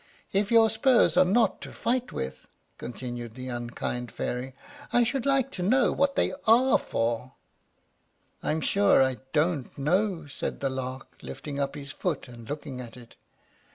If your spurs are not to fight with," continued the unkind Fairy, "I should like to know what they are for?" "I am sure I don't know," said the Lark, lifting up his foot and looking at it.